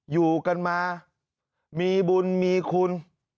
อยู่กันมามีบุญมีคุณ